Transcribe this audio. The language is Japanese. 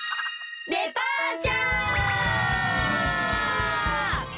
デパーチャー！